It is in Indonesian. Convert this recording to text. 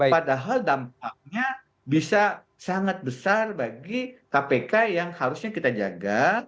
padahal dampaknya bisa sangat besar bagi kpk yang harusnya kita jaga